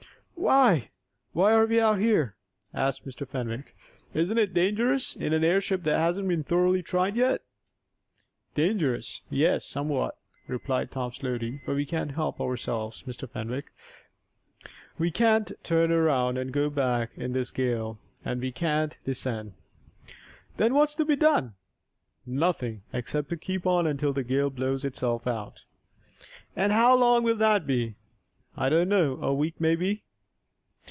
"Why why are we out here?" asked Mr. Fenwick. "Isn't it dangerous in an airship that hasn't been thoroughly tried yet?" "Dangerous? Yes, somewhat," replied Tom, slowly. "But we can't help ourselves, Mr. Fenwick. We can't turn around and go back in this gale, and we can't descend." "Then what's to be done?" "Nothing, except to keep on until the gale blows itself out." "And how long will that be?" "I don't know a week, maybe."